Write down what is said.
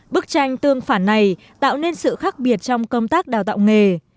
bức tranh tương phản này tạo nên sự khác biệt trong công tác đào tạo nghề